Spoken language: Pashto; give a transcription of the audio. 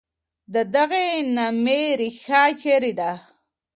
د دغي نامې ریښه چېري ده؟